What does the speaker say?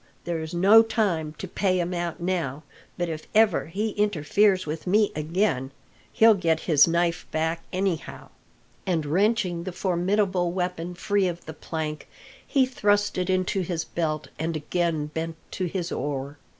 There's no time to pay him out now, but if ever he interferes with me again he'll get his knife back, anyhow!" and wrenching the formidable weapon free of the plank, he thrust it into his belt and again bent to his oar.